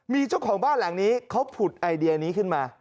มีเจ้าของบ้านหลังนี้เขาผุดไอเดียนี้ขึ้นมา